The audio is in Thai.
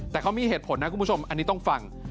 แต่เขามีเหตุผลนะคุณผู้ชมอันนี้ต้องฟัง